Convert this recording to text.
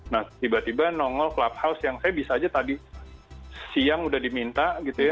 nah tiba tiba nongol clubhouse yang saya bisa aja tadi siang udah diminta gitu ya